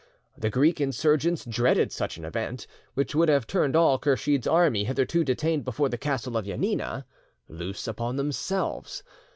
The Greek insurgents dreaded such an event, which would have turned all Kursheed's army, hitherto detained before the castle, of Janina, loose upon themselves.